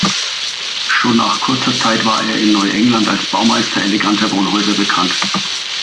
Schon nach kurzer Zeit war er in Neuengland als Baumeister eleganter Wohnhäuser bekannt.